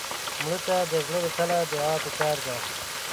مړه ته د زړه له تله دعا پکار ده